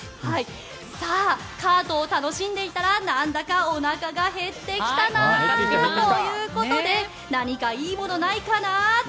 カートを楽しんでいたらなんだかおなかが減ってきたなということで何かいいものないかな。